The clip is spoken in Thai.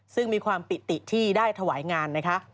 ซึ่งมีความปิติที่ได้ถวายงานนะคะ